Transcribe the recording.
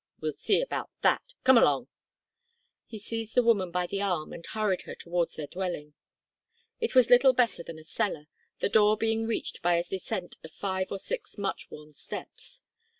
we'll see about that. Come along." He seized the woman by the arm and hurried her towards their dwelling. It was little better than a cellar, the door being reached by a descent of five or six much worn steps.